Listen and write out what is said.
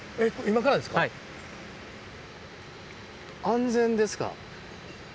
安全ですか？